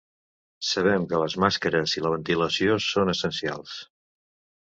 Sabem que les màscares i la ventilació són essencials.